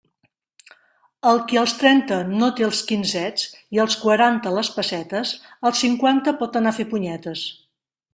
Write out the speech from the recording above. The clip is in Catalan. El qui als trenta no té els quinzets i als quaranta les pessetes, als cinquanta pot anar a fer punyetes.